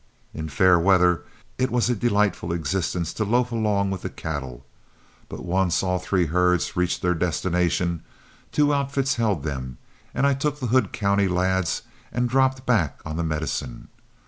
In fair weather it was a delightful existence to loaf along with the cattle; but once all three herds reached their destination, two outfits held them, and I took the Hood County lads and dropped back on the Medicine.